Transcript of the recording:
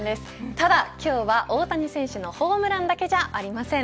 ただ、今日は大谷選手のホームランだけじゃありません。